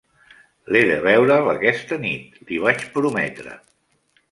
L"he de veure"l aquesta nit, li vaig prometre.